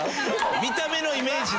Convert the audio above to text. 見た目のイメージで？